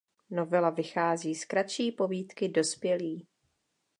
Novela vychází z kratší povídky „Dospělí“.